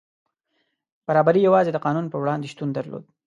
برابري یوازې د قانون په وړاندې شتون درلود.